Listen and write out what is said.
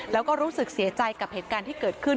แล้วก็รู้สึกเสียใจกับเหตุการณ์ที่เกิดขึ้น